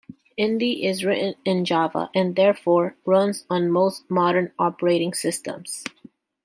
Indy is written in Java and therefore runs on most modern operating systems.